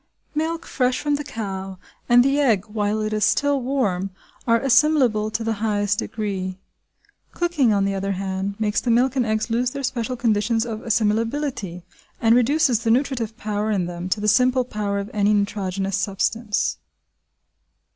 Milk fresh from the cow, and the egg while it is still warm, are assimilable to the highest degree. Cooking, on the other hand, makes the milk and eggs lose their special conditions of assimilability and reduces the nutritive power in them to the simple power of any nitrogenous substance.